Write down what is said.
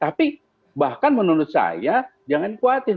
tapi bahkan menurut saya jangan khawatir